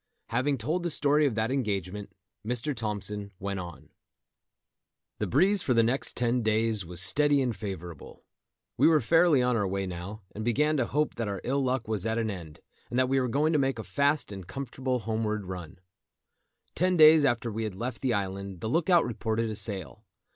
Having told the story of that engagement, Mr. Thompson went on—] The breeze for the next ten days was steady and favourable. We were fairly on our way now, and began to hope that our ill luck was at an end, and that we were going to make a fast and comfortable homeward run. Ten days after we had left the island the look out reported a sail.